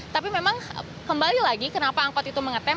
tapi memang kembali lagi kenapa angkot itu mengetem